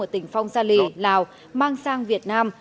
ở tỉnh phong sa lì lào mang sang việt nam